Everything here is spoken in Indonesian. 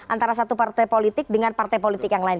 antara satu partai politik dengan partai politik yang lain